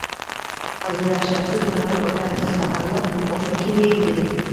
–Xazillashyapsizmi Rauf aka, saharlab oshni kim yeydi? – dedim.